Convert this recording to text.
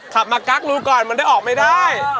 ขับมากั๊กรูก่อนมันได้ออกไม่ได้